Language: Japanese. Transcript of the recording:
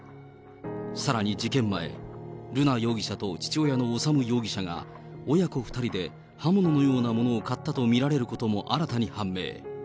さらに事件前、瑠奈容疑者と父親の修容疑者が親子２人で刃物のようなものを買ったと見られることも新たに判明。